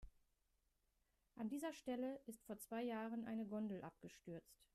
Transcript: An dieser Stelle ist vor zwei Jahren eine Gondel abgestürzt.